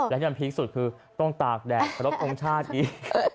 และที่มันพีคสุดคือต้องตากแดดเคารพทรงชาติอีก